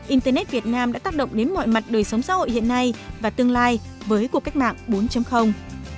internet việt nam đã tác động đến mọi mặt đời sống xã hội hiện nay và tương lai với cuộc cách mạng bốn